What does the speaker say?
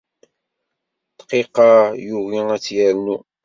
Ddqiqa yugi ad tt-yernu.